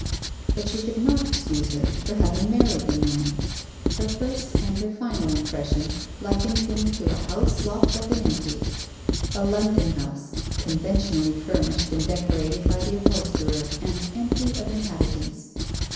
But she could not excuse her for having married the man. Her first and her final impression likened him to a house locked up and empty: a London house conventionally furnished and decorated by the upholsterer, and empty of inhabitants.